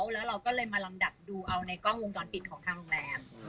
แล้วเราก็เลยมาลำดับดูเอาในกล้องวงจรปิดของทางโรงแรม